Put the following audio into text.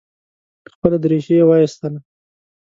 خپله درېشي یې وایستله.